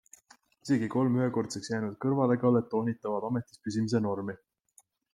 Isegi kolm ühekordseks jäänud kõrvalekallet toonitavad ametis püsimise normi.